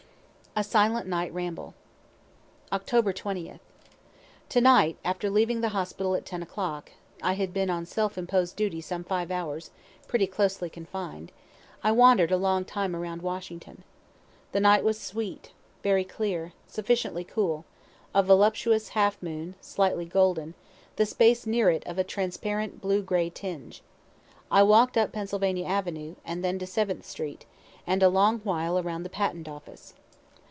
A SILENT NIGHT RAMBLE October 20th. To night, after leaving the hospital at 10 o'clock, (I had been on self imposed duty some five hours, pretty closely confined,) I wander'd a long time around Washington. The night was sweet, very clear, sufficiently cool, a voluptuous halfmoon, slightly golden, the space near it of a transparent blue gray tinge. I walk'd up Pennsylvania avenue, and then to Seventh street, and a long while around the Patent office.